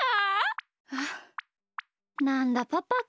あっなんだパパか。